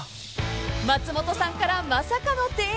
［松本さんからまさかの提案］